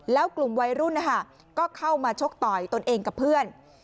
แล้วกลุ่มวัยรุ่นก็เข้ามาชกต่อยตนเองกับเพื่อน